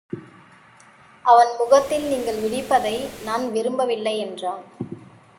அவன் முகத்தில் நீங்கள் விழிப்பதை நான் விரும்ப வில்லை என்றான்.